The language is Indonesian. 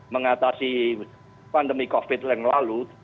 mengatasi pandemi covid yang lalu